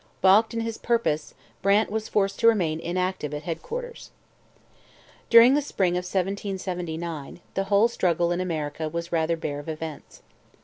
Balked in his purpose, Brant was forced to remain inactive at headquarters. During the spring of 1779 the whole struggle in America was rather bare of events.